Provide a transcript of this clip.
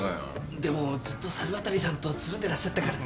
でもずっと猿渡さんとつるんでらっしゃったから。